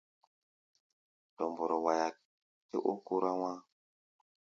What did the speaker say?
Dɔmbɔrɔ waiá tɛ ó kórá wá̧á̧.